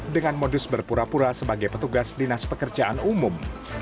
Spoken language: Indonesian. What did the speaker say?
dengan modus berpura pura sebagai petugas dinas pekerjaan umum